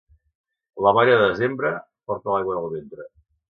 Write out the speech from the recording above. La boira de desembre porta l'aigua en el ventre.